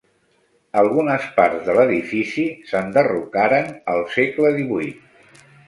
Algunes parts de l'edifici s'enderrocaren al segle XVIII.